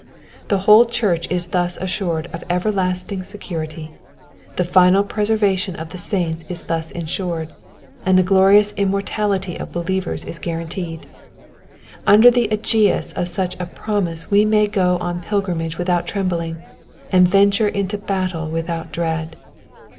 The whole church is thus assured of everlasting se curity : the final perseverance of the saints is thus ensured, and the glorious immortality of believers is guaranteed. Under the xpB of such a promise we may go on pilgrimage without trembling, and venture into battle without dread.